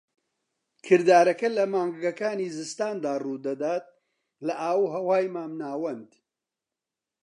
کردارەکە لە مانگەکانی زستاندا ڕوودەدات لە ئاوهەوای مامناوەند.